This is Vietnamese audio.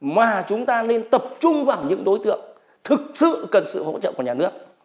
mà chúng ta nên tập trung vào những đối tượng thực sự cần sự hỗ trợ của nhà nước